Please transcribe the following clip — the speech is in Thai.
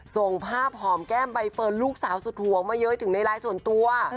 ส่งภาพหอมแก้มใบเฟิร์นลูกสาวสุดห่วงมาเย้ยถึงในไลน์ส่วนตัว